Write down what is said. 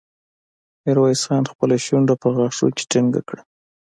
ميرويس خان خپله شونډه په غاښونو کې ټينګه کړه.